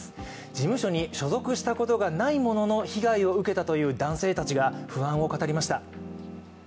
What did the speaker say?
事務所に所属したことがないものの被害を受けたという男性たちが不安を語りました。